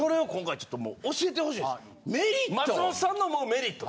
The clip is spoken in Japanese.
松本さんの思うメリット。